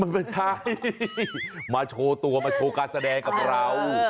มันไม่ใช่มาโชว์ตัวมาโชว์การแสดงกับเรา